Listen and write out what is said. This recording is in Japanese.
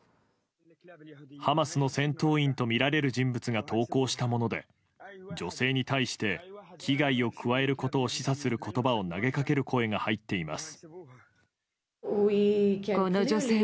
ハマスの戦闘員とみられる人物が投稿したもので女性に対して危害を加えることを示唆する言葉を投げかける声が入っています。